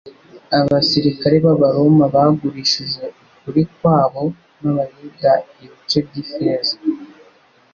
Abasirikari b'abaroma bagurishije ukuri kwabo n'abayuda ibice by'ifeza.